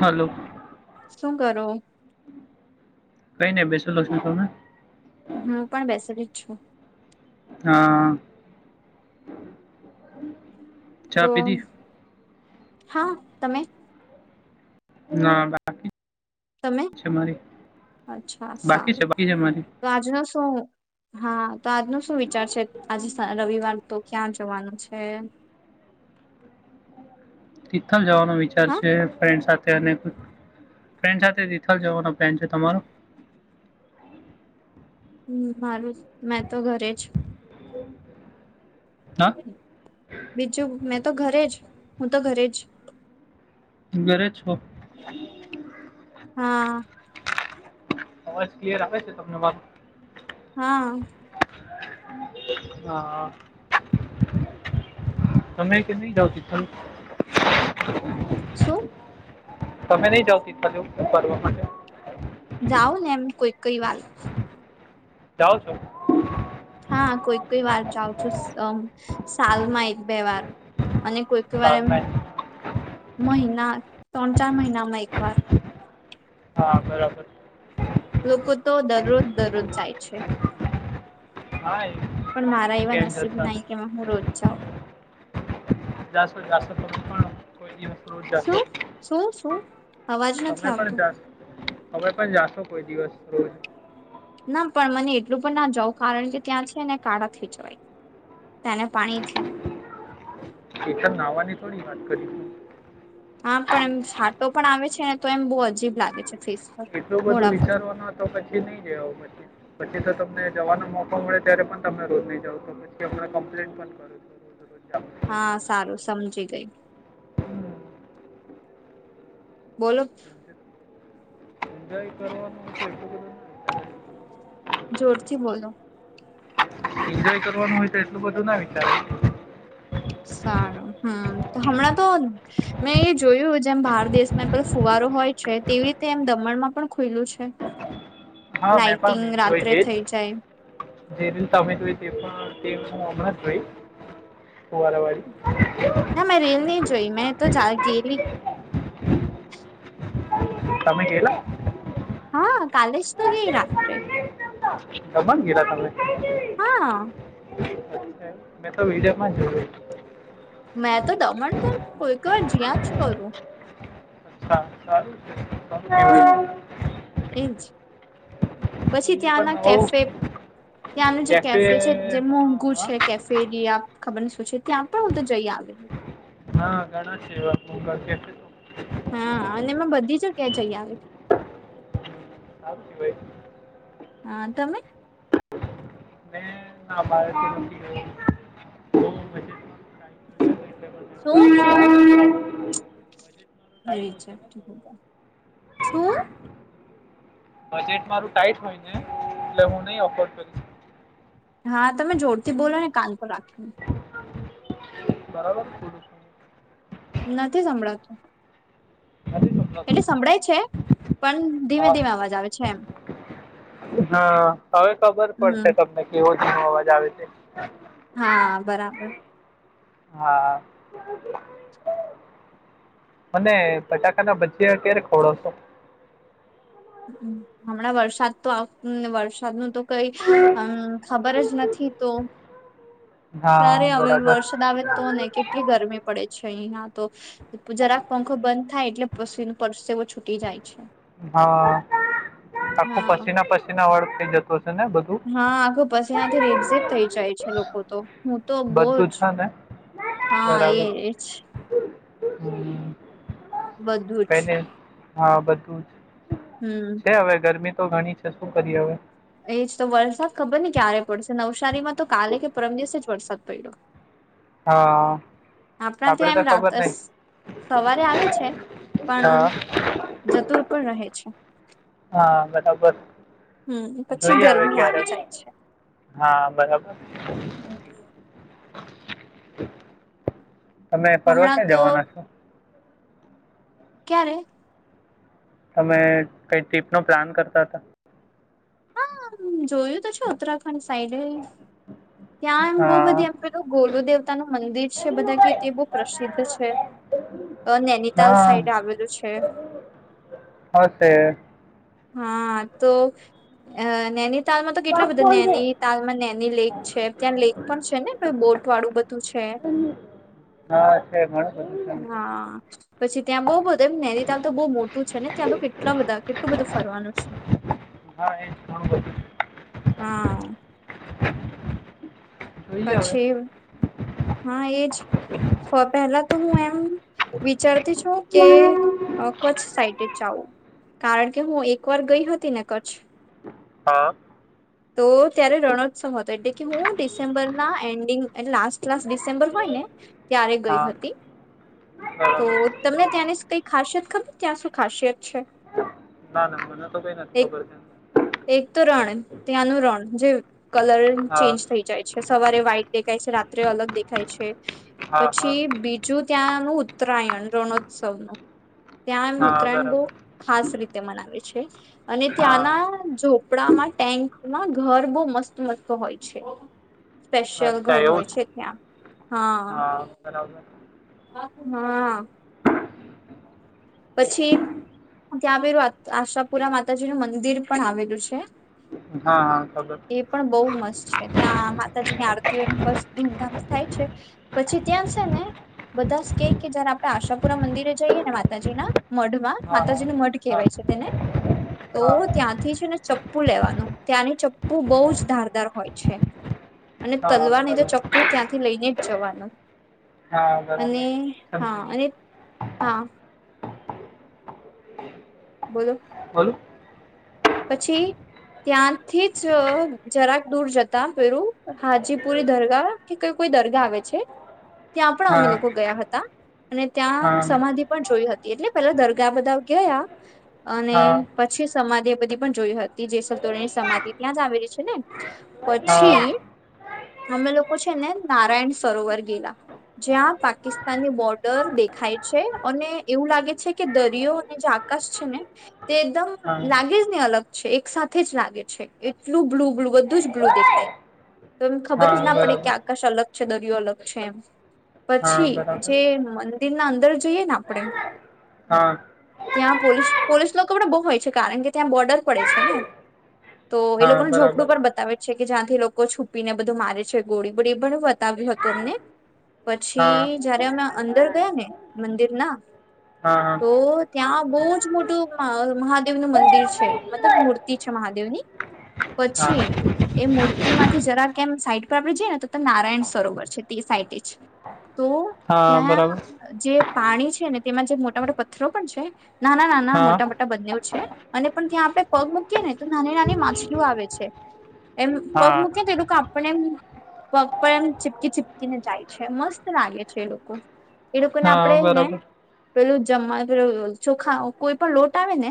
Hello. શું કરો કઈ નઈ બેસલો છું તમે? હું પણ બેસેલી જ છું. હા. ચા તો પીધી હા તમે ના બાકી. તમે છ મારે અચ્છા સારું. તો આજનો શું હા તો આજનો શું વિચાર છે આજે રવિવાર તો ક્યાં જવાનું છે તિથલ જવાનો વિચાર હા છે ફન્ સાથે ફન્ડ સાથે તિથલ જવાનો પ્લાન છે તમારો હમ મારું મેં તો ઘરે જ હ બીજું મેં તો ઘરે જ હું તો ઘરે જ ઘરે છો હા અવાજ ક રાખે છે તમને બાપ હા હા તમે કે નહી જાવતીાલ શું તમે નહી જાવ તટ જો કરવા માટે જાઓ ને એમ કોઈ કઈ વાલ જાઓ છો હા કોઈ કોઈ વાર જાઉં છું સાલમાં એક બે વાર અને કોઈક વાર સારું એમ મહિના ત્રણ ચાર મહિનામાં એક વાર હા બરાબર લોકો તો દરરોજ દરરોજ જાય છે હા એ પણ ખબર મારા નહીં એવા કેમ નસીબ જતા નહી કે હું રોજ જાઉં પણ કોઈ દ જ શું શું શું અવાજ નથી તમે પણ આવતું જાશ હવે પણ જાશો કોઈ દિવસ રોજ ના પણ મને એટલું પણ ના જઉં કારણ કે ત્યાં છે એને કાળા થઈ જવાય તેને પાણીથી એઠ નાવાની થોડી વાત કરીશ હા પણ એમ છાટો પણ આવે છે ને તો એમ બહુ અજીબ લાગે છે ફેસ પર એટલું બધું મોડા પર વિચારવાનું તો પછી નહી જ આવ પછી પછી તો તમ જવાનો મોકો મળે ત્યારે પણ તમે રોજ નહીં જાાવ છ પછ હમં કમ્પ્લેઈન પણ કરો છું રજ હા સારું સમજી ગય બોલો એન્જોય કરવાનું છે જોરથી બોલો એન્જોય કરવાનું હોય તો એટલું બધું ના વિચારે સારું હમ તો હમણાં તો મેં એ જોયું જેમ બાર દેશમાં પણ ફુવા હોય છે તેવી રીતે એમ દમણમાં પણ ખુલું છે હા મેં લાાઈટિંગ પણ જોઈ રાત્રે છેજ થઈ જાય જે રીત તમે જોઈ તે પણ હ અમનાશભાઈ ના મેં રેલ નહી જોઈ મેં તો જાય કેેવી તમે ગલા હા કાલે જ તો ગય રાત્રે બ ગીરા તમને હા મેં તો વિીડિયામાં જો મેં તો દમણ તો કોઈક વાર જ્યાં જ કરું હમ અચ્છાારું એજ પછી કહેવાય અહીંયા પણ ત્યાંના નવો કેફે ત્યાંનું જે કેફે છે જે મોંઘુ હા છે કેફેરિયા ખબર ને શું છે ત્યાં પણ બધ તો જઈ આવે હા ઘણા છે એ આપ કે તો હા અને એમાં બધી જ ક્યાં જઈ આવે ભાઈ હા તમે હા બાળત શું શું શું સેટ મારું ટાઈટ હોય ને એટલે હું નહી અફોર્ડ કરી હા તમે જોરથી બોલો ને કાનકો રાખીને બરાબર થોડું નથી સંભળાતું નથી એટલે સમજાતું સંભળાય છે પણ ધીમે હા ધીમે અવાજ આવે છે એમ હા હવે ખબર હમ પડશે તમને કેવો જ અવાજ આવે છે હા બરાબર હા મને બટાકાના ભજયા ક્યારે ખોડો છો હમણાં વરસાદ તો વરસાદ ન તો કઈમ ખબર જ નથી તો ક્યારે હા હવે બરાબર વરસાદ આવે તો ને કેટલી ગરમી પડે છે અ ના તો જરાક પંખો બંધ થાય એટલે પછી પરવો છૂટી જાય છે હા આખું હા પસીના પસીના વળગ થઈ જતું હશે ને બધું હા આખો પછી આ્યાંથી રેપઝેબ થઈ જાય છે લોકો તો હું તો બધું બહજ છે ને હા બરાબર એજ હમ બધું જ કઈને હા બધું જ હમ છે હવે ગરમી તો ઘણી છે શું કરી હવે એજ તો વરસાદ ખબર ને ક્યારે પડશે નવસારીમાં તો કાલે કે પરમ દિવસે જ વરસાદ પડ્યો હા આપણા આપડે ત્યા એમ તો રાત ખબર જ નઈ સવારે આવે છે પણ હા જતુર પણ રહે છે હા બરાબર હમ પછી જોઈએ હવે ગરમી ક્યારે આવી જાય છે હા બરાબર તમે પર્વ હમણાં ક્યાં તો જવાના છો ક્યારે તમે કઈ ટ્રીપ નો પ્લાન કરતા હતા હા જોયું તો છે ઉત્તરાખંડ સાઈડે ત્યાં એમ બહ હા હા બધી હશે એમ પેલું ગોલુ દેવતા ન મંદિર છે બધા કે તે બહ પ્રસિદ્ધ છે નૈનીતાલ સાઈડ આવેલું છે હ છે હા તો નૈની તાલમાં તો કેટલા બધા નેની તાલમાં નેની લેક છે ત્યાં લેક પણ છે ને બોટ વાળું બધું છે [inaudible] હા છે ભણ હા પછી ત્યાં બઉુ બધ એમ નૈનીતાલ તો બહુ મોટું છે ને ત્યાં તો કેટલા બધા કેટલું બધું ફરવાનું છે હા એ બધું હા જોઈએ હવે પછી હા એજ પેલા તો હું એમ વિચારતી જ છુ કે હા કચ્છ સાઈડ જાવું કારણ કે હું એક વાર ગઈ હતી ને કચ્છ હા તો ત્યારે રણોત્સવ હતો એટલે કે હું ડિસેમ્બર ના એન્ડિંગ એ લાસ્ટ લાસ્ટ ડિસેમ્બર હોય ને ત્યારે ગઈ હા હતી તો બરાબર તમને ત્યાંની કઈ ખાસિયત ખબર ત્યાં શું ખાસિયત છે ના ના મને તો કઈ નથી એક ખબર છે એક રણ ત્યાંનું રણ જે કલર હા ચેન્જ થઈ જાય છે સવારે વ્હાઈટ દેખાય છે રાત્રે અલગ દેખાય છે હા હા પછી બીજું ત્યાંનું ઉત્તરાયણ રણોત્સવ નુ ત્યાં એમ હા ઉત્તરાયણ બહુ બરાબર ખાસ રીતે મનાવે છે અને ત્યાંના હા ઝોપડામાં ટેન્ક માં ઘર બહુ મસ્ત મસ્ત હોય છે સ્પેશિયલ અચ્છા ઘર હોય એવું છે ત્યાં હા હ હા પછી ત્યાં આવેલું આશાપુરા માતાજી નું મંદિર પણ આવેલું છે હા હા ખબર એ પણ બઉ મસ્ત છે ત્યાં માતાજી ની આરતીઓ એમ બસ ધૂમધામ થાય છે પછી ત્યાં છે ને બધા ક કે જયારે આપણે આશાપુરા મંદિરે જઈએ ને માતાજીના મઢમાં હા માતાજી નું મઢ હા કહેવાય છે તેને તો હા હા ત્યાંથી છે ને ચપ્પુ લેવાનું ત્યાંની ચપ્પુ બહુ જ ધારદાર હોય છે અને હા તલવા ન તો બરાબર ચક્કુ ત્યાંથી લઈને જ જવાનું હા અને બરાબર હા સમજી ગયો અને હા બોલો હમ્મ પછી ત્યાંથી જ જરાક દૂર જતા પેલું હાજીપુરી દરગાહ કે કઈઈ દરગાહ આવે છે ત્યાં પણ અમે હા લોકો ગયા હતા અને ત્યાં હા સમાધિ પણ જોઈ હતી એટલે પેલા દરગાહ બધા ગયા અને હા પછી સમાધિ એ બધી પણ જોઈ હતી જેસલતોળની સમાધિ ત્યાં જ આવેલી છે ને હા પછી હા અમે લોકો છે ને નારાયણ સરોવર ગેલા જ્યાં પાકિસ્તાનની બોર્ડર દેખાય છે અને એવું લાગે છે કે દરિયો અને આકાશ છે ને તે એકદમ લાગે ને અલગ છે એક સાથેજ લાગે છે એટલું બ્લુ બ્લુ બધું જ બ્લુ દેખાય તો એમને ખબર જ હા ના પડે કે બરાબર આકાશ અલગ છે દરિયો અલગ છે એમ હા પછી બરાબર જે મંદિરના અંદર જોઈએ ને આપણેે ત્યાં પોલીસ હા પોલીસ લોકો બહુ હોય છે કારણ કે ત્યાં બોર્ડર પડે છે ને હા તો એ લોકોનું બરાબર ઝોપડું પણ બતાવે છે કે જ્યાંથી લોકો છુપીને બધું મારે છે ગોળીબોળી એ પણ બતાવ્યું હતું અમને હા પછી જયારે અમે અંદર ગયા ને મંદિરના હા હા તો ત્યાં બહ જ મોટું મહાદેવ નું મંદિર છે છે મતલબ મૂર્તિ છે મહાદેવ ની પછી હા એ મૂર્તિ માંથી જરા કેમ સાઈડ પર આપડણે જઈએ ને તો નારાયણ સરોવર છે સાઈટ જ તો હા ત્યાં બરાબર જે પાણી છે ને તેમાં જે મોટા મોટા પથ્થરો પણ છે ના ના ના ના હા મોટા મોટા બંને છે અને પણ ત્યાં આપડણે પગ મૂકીએ ને તો નાની નાની માછલી આવે છે એમ પગ હા મૂકને તેલું કાપ પણ એમ પગ પર એમ ચીપકી ચીપકીને જાય છે મસ્ત લાગે છે એ લોકો એ લોકોને હા આપડે ને. બરાબર પેલું જમવા પે ચોખા કોઈ પણ લોટ આવે ને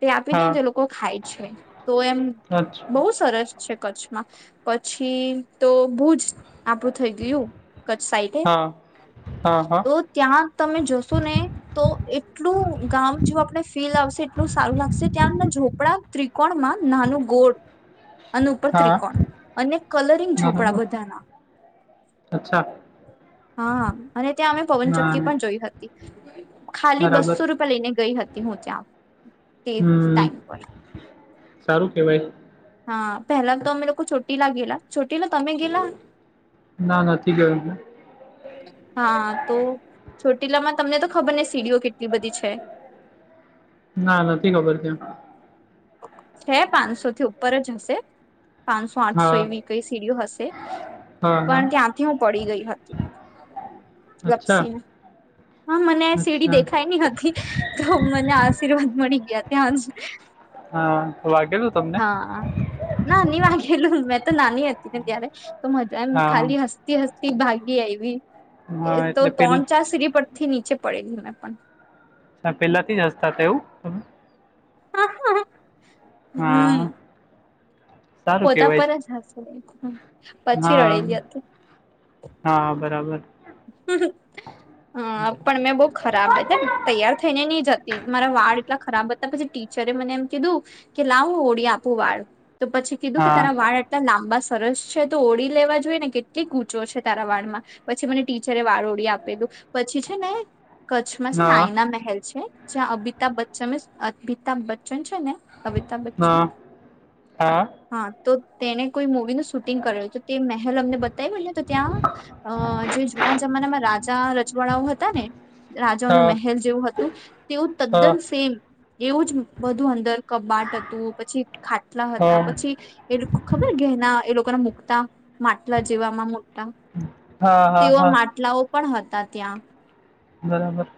તે આપી દેને હા તો લોકો ખાય છે. તો એમ અચ્છા બહુ સરસ છે કચ્છમાં પછી તો, ભુજ આપણું થઈ ગયું. કચ્છ સાઈડે હા હા હા તો ત્યાં. તમે જશો ને. તો એટલું ગામ જો આપડ ફીલ આવશે, એટલું સારું લાગ ત્યાંના ઝપડા ત્રિકોણમાં નાનું ગોળ આ ઉપર હા ત્રિકોણ અને કલરિંગ ઝોપડા બરાબર બધાના. અચ્છા હા, અને ત્યાં અમે હા પવનચક્કી પણ જોઈ હતી. ખાલી બરાબર બસો રૂપિયા લઈને ગઈ હતી હું ત્યાં તે હમ ટાઈમ પર. સારું કેવાય. હા પેલા તો અમે લોકો છોટીલા ગેલા છોટીલા તમે ગેલા. ના નથી ગયોું. હા તો ચોટીલા માં તમને તો ખબર ને સીડીઓ કેટલી બધી છે. [inaudible] ના નથી ખબર ક્યાં. છે પાંચસો થી ઉપર જ હશ, પાંચસો આઠસો હા એવી કઈ સીડીઓ હશે. હા હા પણ ત્યાંથી હું પડી ગઈ હતી, અચ્છા લપ્સીમાં હા મને સીડી અચ્છા દેખાય નહી હતી તો મને આ આશીર્વાદ મળી ગયા ત્યાં જ. હા વાગેલું તમને. હા નાની વાગેલું મેં તો નાની હતી ને ત્યારે. તો મજા એમ હા ખાલી હસતી હસતી ભાગી આવી હા એ તો એટલે ત્રણ પેલા ચાર સિરી પરથી નીચે પડેલી મેં પણ. પેલાથી જ હસતા હતા એવું. હા, હા, હા. હા. સારું પોતા કેવાય પર છે જ હશે, પછી હા રડેલી હતી. હા બરાબર હમહ. હ, પણ મેં બહુ હા ખરાબ તૈયાર થઈને નહી જતી. મારા વાળ એટલા ખરાબ હતા પછી ટીચ. જ મને એમ કીધું કે લાવું ઓળી આપું વાળ તો પછી કીધું કે હા તરા વાળ આટલા લાંબા. સરસ છે. તો ઓળી લેવા જોઈએ ને. કેટલી ૂંચો છે. તારા વાળ માં પછી મને. ટીચરે વારોડી આપેલું પછી છે ને, કચ્છમાં છે ને, હા આઈના મહેલ છે. જ્યાં અમિતાભ બચ્ચન, અમિતાભ બચ્ચન છે ને. તા બચ્ચન. હા હા. તો તેને કોઈ મુવી ન શૂટિંગ કરે તો તે મહેલ અમને બતાવી ને, તો ત્યાં જે જુના જમાનામાં રાજા રચવાડાઓ હતા ને. રાજાનું મહેલ જેવું હતું. તેવું તદ્દન સેમ એવું જ બધું અંદર કબાટ હતું, પછી ખાટલા હતા, હા પછી. એ ખબર કે એના એ લોકોના મુકતા માટલા જેવાવામાં મોટા. હા હા તેવા હા માટલાઓ પણ હતા ત્યાં. બરાબર.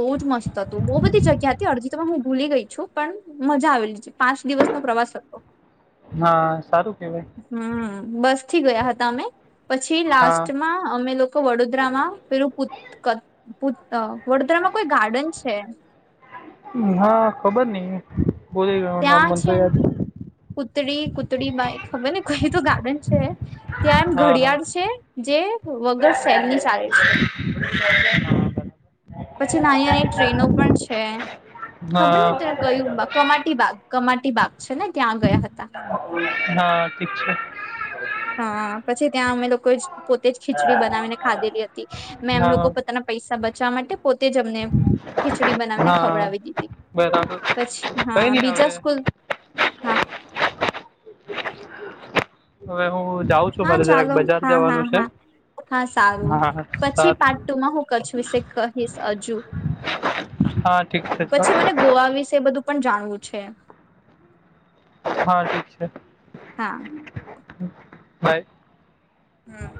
બહુ જ મસ્ત હતું બહુ બધી જગ્યા હતી અડજી, તોમાં હું ભૂલી ગઈ છું. પણ મજા આવેલી છે પાંચ દિવસ પ્રવાસ કતો હા સારું. કેવાય હમ બસ થી 'ગયા હતા અમે પછી હા લાસ્ટમાં અમે લોકો વડોદરામાં પેલું! વડોદરામાં કોઈ ગાર્ડન છે. [inaudible] હા ખબર નઈ બો ગ નામ ત્યાં મન તો છે યાદ. કૂતડી કૂતડીમાંય ખબર ને કઈ તો ગાર્ડન છે. ત્યાં એમ હા હા ઘડિયાળ છે. જે વગર સેલની ચાલે છે [unintelligible] પછી નાની નાની ટ્રેનો પણ છે ખબર હા ને તને કયું બા કમાટી બાગ કમાટી બાગ છે ને ત્યાં ગયા હતા હા તે છે. હા પછી ત્યાં અમે લોકો જ પોતે જ ખીચડી બનાવીને ખાધેલી હતી. મેમ લોકો હા પોતાના પૈસા બચવા માટે પોતે જ અમને ખીચડી બનાવીને હા ખવડાવી દીધી બરાબર પછી હા કઈ નઈ બીજા હવે સ્કૂલ હા. હવે હું જાઉં છું હા મારે જરાક ચાલો બજાર હા હા જવાનું છે હા હા સારું હા પછી સાત પાર્ટ ટુમાં હું કચ્છ વિશે કહીશ અજુ હા ઠીક છે સર પછી મને ગોવા વિશે બધું પણ જાણવું છે હા ઠીક છે. હા. બાઈ હમ્મ.